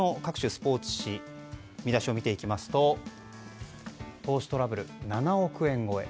スポーツ紙の見出しを見ていきますと投資トラブル７億円超え